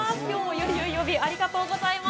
ゆいゆい呼びありがとうございます。